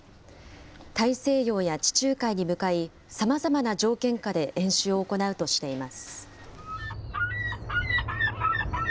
大西洋や地中海に向かい、さまざまな条件下で演習を行うとしています。